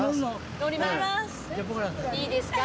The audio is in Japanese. いいですか？